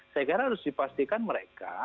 saya kira harus dipastikan mereka